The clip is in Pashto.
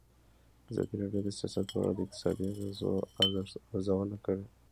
ازادي راډیو د سیاست په اړه د اقتصادي اغېزو ارزونه کړې.